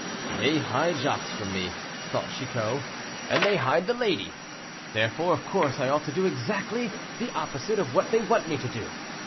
"They hide Jacques from me," thought Chicot, "and they hide the lady, therefore of course I ought to do exactly the opposite of what they want me to do.